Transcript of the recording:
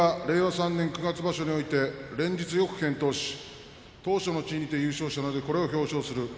３年九月場所において連日よく健闘し頭書の地位にて優勝したのでこれを表彰する。